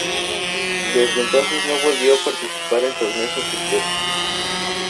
Desde entonces no volvió a participar en torneos oficiales.